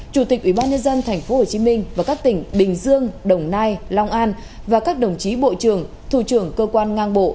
chủ tịch ủy ban nhân dân tp hcm và các tỉnh bình dương đồng nai long an và các đồng chí bộ trưởng thủ trưởng cơ quan ngang bộ